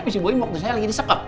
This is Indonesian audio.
misal gue waktu itu lagi di sekep